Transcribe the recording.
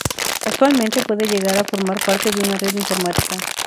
Actualmente pueden llegar a formar parte de una red informática.